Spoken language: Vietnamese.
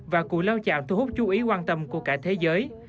và cụ lao chàm thu hút chú ý quan tâm của cả thế giới